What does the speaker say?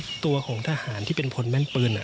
ตัวของทหารที่เป็นพลแม่นปืน